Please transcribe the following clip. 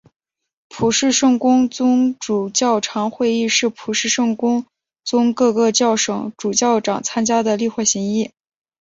普世圣公宗主教长会议是普世圣公宗各个教省主教长参加的例行会议。